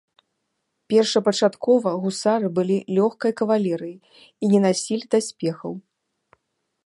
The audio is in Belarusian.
Першапачаткова гусары былі лёгкай кавалерыяй і не насілі даспехаў.